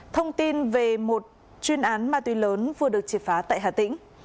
thông tin về một chuyên án ma túy lớn vừa được triệt phá tại hà tĩnh